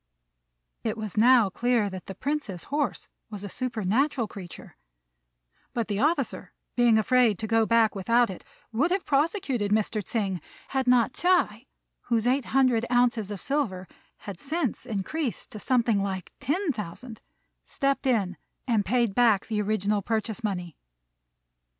It was now clear that the Prince's horse was a supernatural creature; but the officer, being afraid to go back without it, would have prosecuted Mr. Tsêng, had not Ts'ui, whose eight hundred ounces of silver had since increased to something like ten thousand, stepped in and paid back the original purchase money.